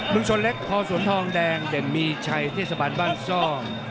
เมืองชนเล็กพอสวนทองแดงเด่นมีชัยเทศบาลบ้านซ่อง